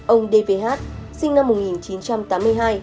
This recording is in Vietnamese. ông dvh sinh năm một nghìn chín trăm tám mươi hai